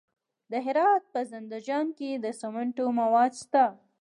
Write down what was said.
د هرات په زنده جان کې د سمنټو مواد شته.